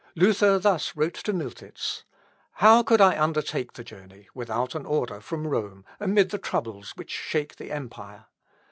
Luther thus wrote to Miltitz: "How could I undertake the journey, without an order from Rome, amid the troubles which shake the empire?